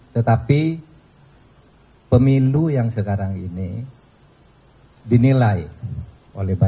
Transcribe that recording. tetapi pemilu yang sekarang ini dinilai oleh pak jokowi